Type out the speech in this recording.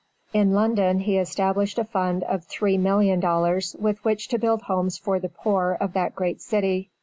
In London he established a fund of $3,000,000 with which to build homes for the poor of that great city.